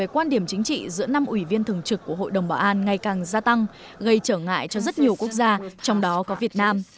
quan điểm chính trị giữa năm ủy viên thường trực của hội đồng bảo an ngày càng gia tăng gây trở ngại cho rất nhiều quốc gia trong đó có việt nam